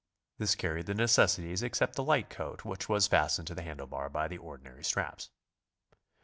This carried the necessaries except the light coat, which was fastened to the handle bar by the ordinary straps.